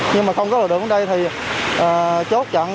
nhưng mà không có lực lượng đến đây thì chốt chặn